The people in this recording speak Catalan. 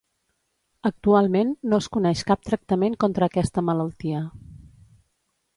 Actualment no es coneix cap tractament contra aquesta malaltia.